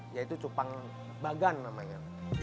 yaitu cupang bagan namanya